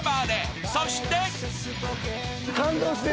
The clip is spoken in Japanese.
［そして］